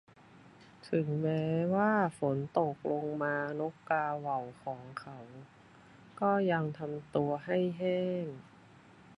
ถึงแม้ว่าฝนตกลงมา นกกาเหว่าของเขาก็ยังทำให้ตัวแห้ง